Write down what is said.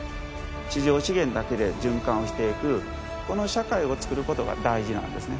地上資源だけで循環をしていくこの社会を作ることが大事なんですね